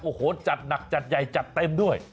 โอ้โหจัดหนักจัดใหญ่จัดเต็มด้วย